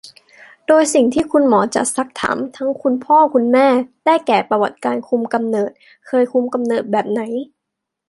โดยสิ่งที่คุณหมอจะซักถามทั้งคุณพ่อคุณแม่ ได้แก่ ประวัติการคุมกำเนิด เคยคุมกำเนิดแบบไหน